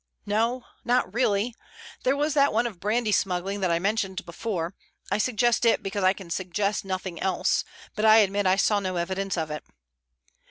"No, not really. There was that one of brandy smuggling that I mentioned before. I suggest it because I can suggest nothing else, but I admit I saw no evidence of it."